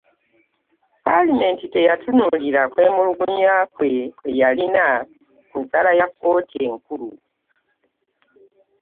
Paalamenti teyatunuulira kwemulugunya kwe kwe yalina ku nsala ya kkooti enkulu